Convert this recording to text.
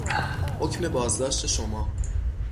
حکم بازداشت شما